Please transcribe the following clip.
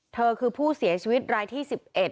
เธอคือผู้เสียชีวิตรายที่๑๑